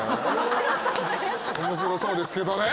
面白そうですけどね！